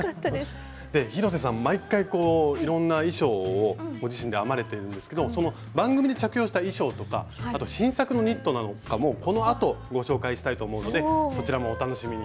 広瀬さん毎回いろんな衣装をご自身で編まれているんですけど番組で着用した衣装とかあと新作のニットなんかもこのあとご紹介したいと思うのでそちらもお楽しみに。